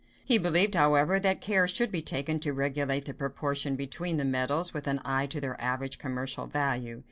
He believed, however, that care should be taken to regulate the proportion between the metals with an eye to their average commercial value.